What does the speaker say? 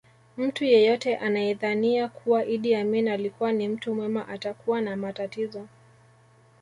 Mtu yeyote anayedhania kuwa Idi Amin alikuwa ni mtu mwema atakuwa na matatizo